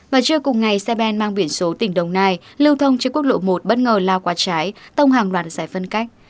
và trưa cùng ngày xe ben mang biển số tỉnh đồng nai lưu thông trên quốc lộ một bất ngờ lao qua trái tông hàng đoàn giải phân cách